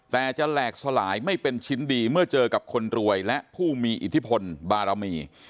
แต่จะแหลกสลายไม่เป็นชิ้นดีเมื่อเจอกับคนรวยและผู้มีอิทธิพลบารมี